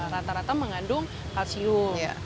rata rata mengandung kalsium